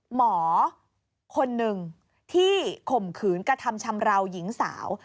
หมอคนหนึ่งที่ข่มขืนกระทำชำราวหญิงสาว